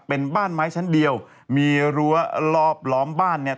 เป็นบ้านไม้ชั้นเดียวมีรั้วรอบล้อมบ้านเนี่ย